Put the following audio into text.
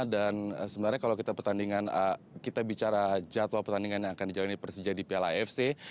dan sebenarnya kalau kita bicara jadwal pertandingan yang akan dijalani persija di piala fc